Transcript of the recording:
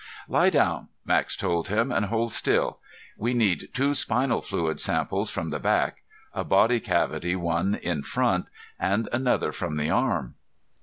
"Lie down," Max told him, "and hold still. We need two spinal fluid samples from the back, a body cavity one in front, and another from the arm."